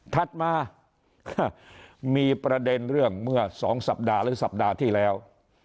ถัดมามีประเด็นเรื่องเมื่อ๒สัปดาห์หรือสัปดาห์ที่แล้ว